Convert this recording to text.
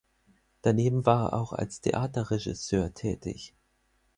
Daneben war er auch als Theaterregisseur tätig.